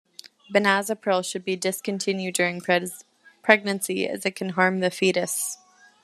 Benazepril should be discontinued during pregnancy, as it can harm the fetus.